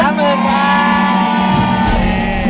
๓หมื่นครับ